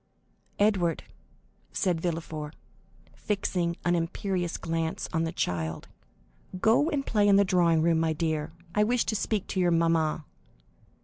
"Edward," said Villefort, fixing an imperious glance on the child, "go and play in the drawing room, my dear; I wish to speak to your mamma."